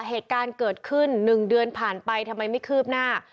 เหตุการณ์เกิดขึ้น๑เดือนผ่านไปทำไมไม่คืบหน้า